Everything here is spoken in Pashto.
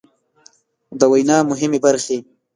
د وينا مهمې برخې